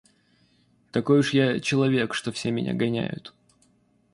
Такой уж я человек, что все меня гоняют.